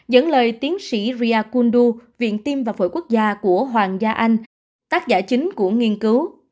dẫn lời tiến sĩ ria kundu viện tim và phổi quốc gia của hoàng gia anh tác giả chính của nghiên cứu